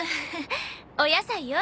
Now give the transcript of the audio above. お野菜よ。